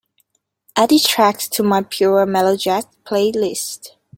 add this track to my Pure Mellow Jazz playlist